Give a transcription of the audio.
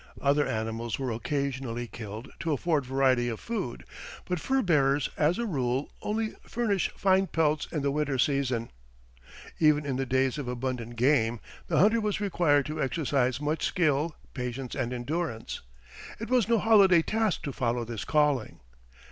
Other animals were occasionally killed to afford variety of food, but fur bearers as a rule only furnish fine pelts in the winter season. Even in the days of abundant game the hunter was required to exercise much skill, patience, and endurance. It was no holiday task to follow this calling.